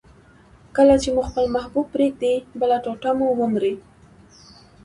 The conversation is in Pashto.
کله چي مو خپل محبوب پرېږدي، بله ټوټه مو ومري.